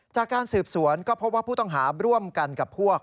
จากการสืบสวนก็พบว่าผู้ต้องหาร่วมกันกับพวก